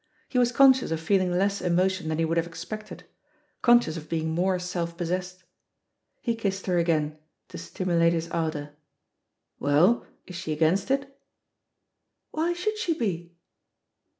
He was conscious of feeling less emotion than he would have expected, conscious of being more self possessed. He kissed her again, to stimulate his ardour. Well, is fihe against it? 'Why should she be?"